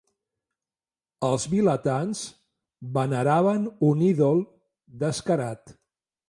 Els vilatans veneraven un ídol descarat